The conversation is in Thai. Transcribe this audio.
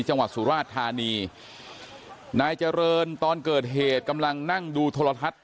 จังหวัดสุราชธานีนายเจริญตอนเกิดเหตุกำลังนั่งดูโทรทัศน์